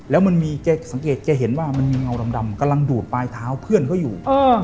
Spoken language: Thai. แล้วมันมีแกสังเกตแกเห็นว่ามันมีเงาดำกำลังดูดปลายเท้าเพื่อนเขาอยู่